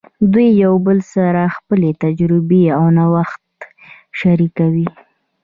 دوی یو بل سره خپلې تجربې او نوښتونه شریکول.